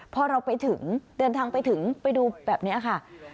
พอเราไปถึงเดินทางไปถึงไปดูแบบนี้ค่ะ